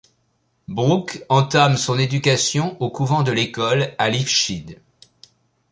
Brooke entame son éducation au couvent de l'école à Lichfield.